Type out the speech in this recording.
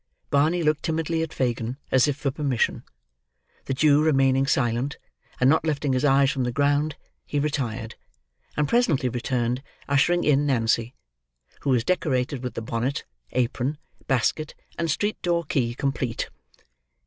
Barney looked timidly at Fagin, as if for permission; the Jew remaining silent, and not lifting his eyes from the ground, he retired; and presently returned, ushering in Nancy; who was decorated with the bonnet, apron, basket, and street door key, complete.